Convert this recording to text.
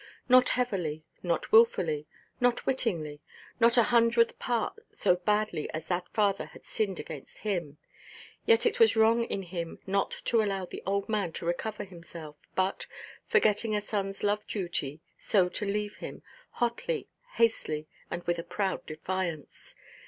Not heavily, not wilfully, not wittingly, not a hundredth part so badly as that father had sinned against him. Yet it was wrong in him not to allow the old man to recover himself, but, forgetting a sonʼs love–duty, so to leave him—hotly, hastily, with a proud defiance.